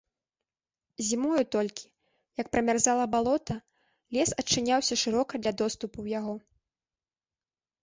Зімою толькі, як прамярзала балота, лес адчыняўся шырока для доступу ў яго.